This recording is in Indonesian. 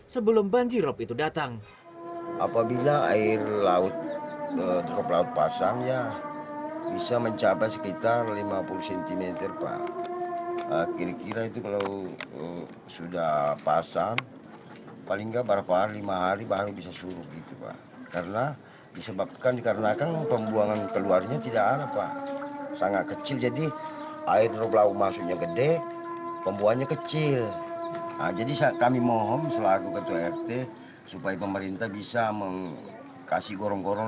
sebelum banjirop itu datang